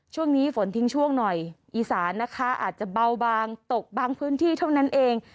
ช่วงนี้ฝนทิ้งช่วงหน่อยอีสานนะคะอาจจะเบาบางตกบางพื้นที่เท่านั้นเอง